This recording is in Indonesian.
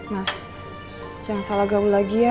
mas jangan salah gaul lagi ya